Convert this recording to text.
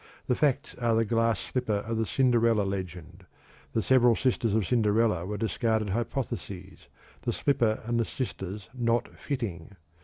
The "facts" are the glass slipper of the Cinderella legend the several sisters of Cinderella were discarded hypotheses, the slipper and the sisters not "fitting."